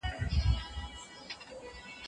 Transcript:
اکاډيمۍ اوسنی مسؤل اسدالله ارماني او د